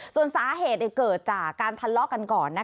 ส่วนสาเหตุเกิดจากการทะเลาะกันก่อน